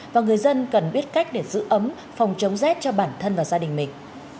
và người dân cần biết cách để giữ ấm phòng chống rét cho bản thân và gia đình mình